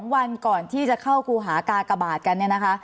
วันก่อนที่จะเข้าครูหากากบาทกันเนี่ยนะคะ